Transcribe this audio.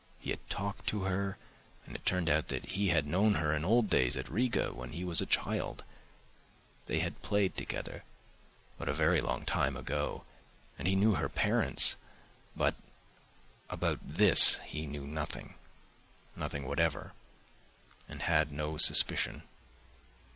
He had talked to her, and it turned out that he had known her in old days at Riga when he was a child, they had played together, but a very long time ago—and he knew her parents, but about this he knew nothing, nothing whatever, and had no suspicion!